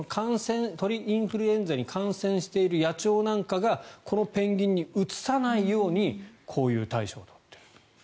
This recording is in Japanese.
鳥インフルエンザに感染している野鳥なんかがこのペンギンにうつさないようにこういう対処を取っている。